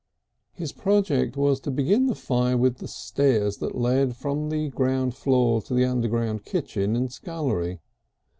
His project was to begin the fire with the stairs that led from the ground floor to the underground kitchen and scullery.